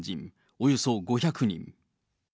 およそ５００人。